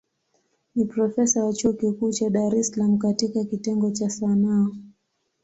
Ni profesa wa chuo kikuu cha Dar es Salaam katika kitengo cha Sanaa.